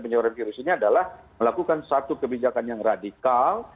penyebaran virus ini adalah melakukan satu kebijakan yang radikal